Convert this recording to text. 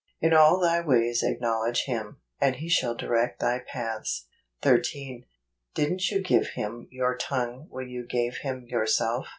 " In all thy ways acknowledge him , and he shall direct thy paths" 13. Didn't you give Him your tongue when you gave Him yourself